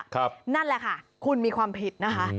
นั่นแหละค่ะคุณมีความผิดนะคะ